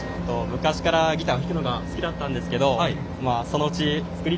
昔からギター弾くのが好きだったんですけどそのうちあっ